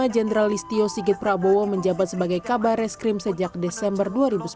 jenderal listio sigit prabowo menjabat sebagai kabar reskrim sejak desember dua ribu sembilan belas